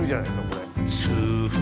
これ。